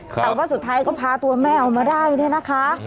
แต่ว่าสุดท้ายก็พาตัวแม่เอามาได้เนี่ยนะคะ